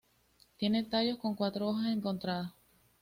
Tiene tallos con cuatro hojas encontradas.